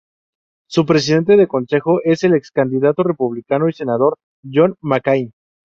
Su presidente de consejo es el ex candidato republicano y senador John McCain.